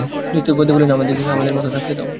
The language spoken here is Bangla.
দ্বৈতবাদী বলেন, আমাদিগকে আমাদের মতে থাকিতে দাও।